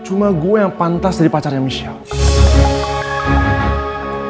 cuma gua yang pantas jadi pacarnya michelle